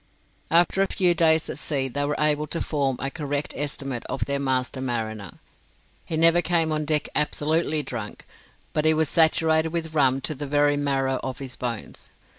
After a few days at sea they were able to form a correct estimate of their master mariner. He never came on deck absolutely drunk, but he was saturated with rum to the very marrow of his bones.